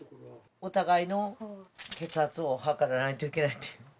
お互いの血圧を測らないといけないっていう。